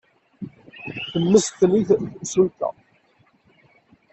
Temmesten-it temsulta.